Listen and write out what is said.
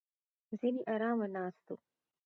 ځینې ارامه ناست وو.